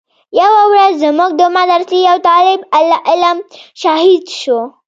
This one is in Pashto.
يوه ورځ زموږ د مدرسې يو طالب العلم شهيد سو.